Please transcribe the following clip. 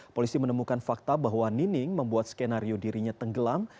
polisi menemukan fakta bahwa nining membuat skenario dirinya tenggelam